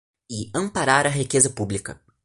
E amparar a riqueza pública.